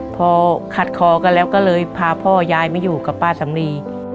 พอขัดคอกันแล้วก็เลยพาพ่อยายมาอยู่กับป้าสำลี